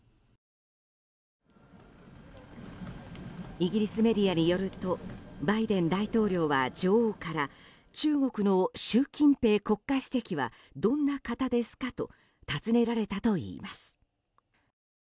イギリスメディアによるとバイデン大統領は女王から中国の習近平国家主席はどんな方ですかと尋ねられたといいます。